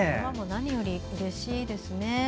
何よりうれしいですね。